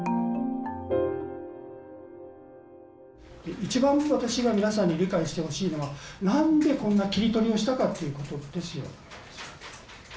一番私が皆さんに理解してほしいのは何でこんな切り取りをしたかっていうことですよ。